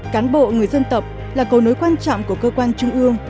cán bộ người dân tập là cầu nối quan trọng của cơ quan trung ương